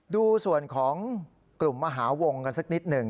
ดูส่วนของกลุ่มมหาวงกันสักนิดหนึ่ง